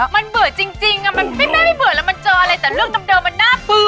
มันเบื่อจริงแม่ไม่เบื่อแล้วมันเจออะไรแต่เรื่องเดิมมันน่าเบื่อ